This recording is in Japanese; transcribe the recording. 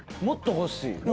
もっと欲しい？